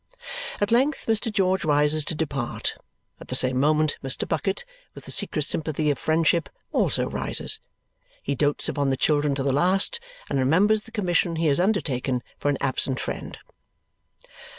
At length Mr. George rises to depart. At the same moment Mr. Bucket, with the secret sympathy of friendship, also rises. He dotes upon the children to the last and remembers the commission he has undertaken for an absent friend.